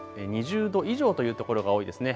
２０度以上という所が多いですね。